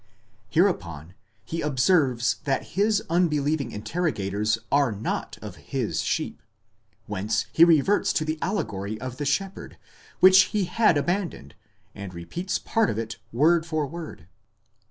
Hereupon he observes that his unbelieving interrogators are not of his sheep, whence he reverts to the allegory of the shepherd, which he had abandoned, and repeats part of it word for word.